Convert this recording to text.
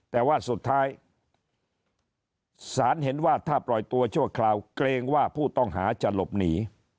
แต่ว่าสุดท้ายศาลเห็นว่าถ้าปล่อยตัวชั่วคราวเกรงว่าผู้ต้องหาจะหลบหนี